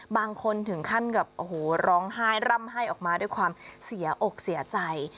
บางคนถึงขั้นกับโอ้โหร้องไห้ร่ำไห้ออกมาด้วยความเสียอกเสียใจ